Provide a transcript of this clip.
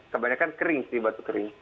kebanyakan kering sih batu kering